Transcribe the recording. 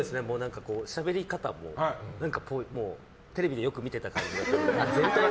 しゃべり方もテレビでよく見てた方だなと。